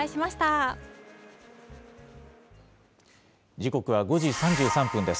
時刻は５時３３分です。